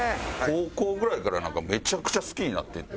高校ぐらいからなんかめちゃくちゃ好きになっていって。